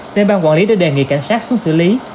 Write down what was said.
nên bang quản lý đã đề nghị cảnh sát xuống xử lý